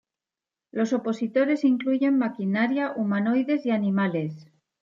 Los opositores incluyen maquinaria, humanoides y animales.